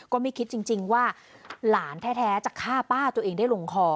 ก็ไม่คิดจริงว่าหลานแท้จะฆ่าป้าตัวเองได้ลงคอ